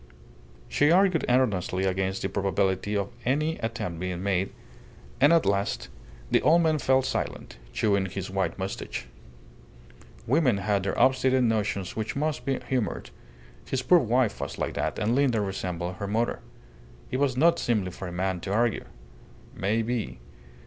She argued earnestly against the probability of any attempt being made; and at last the old man fell silent, chewing his white moustache. Women had their obstinate notions which must be humoured his poor wife was like that, and Linda resembled her mother. It was not seemly for a man to argue. "May be.